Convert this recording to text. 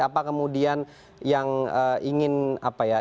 apa kemudian yang ingin apa ya